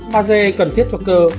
maze cần thiết thuật cơ